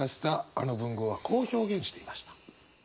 あの文豪はこう表現していました。